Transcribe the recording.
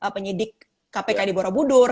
penyidik kpk di borobudur